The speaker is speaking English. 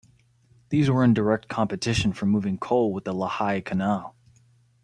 These were in direct competition for moving coal with the Lehigh Canal.